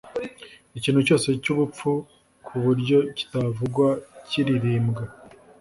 Ikintu cyose cyubupfu kuburyo kitavugwa kiririmbwa